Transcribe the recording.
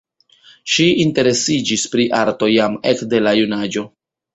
Ŝi interesiĝis pri arto jam ekde la junaĝo.